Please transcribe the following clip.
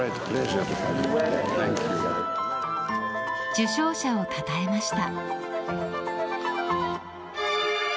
受賞者をたたえました。